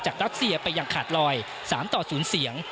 รัสเซียไปอย่างขาดลอย๓ต่อ๐เสียง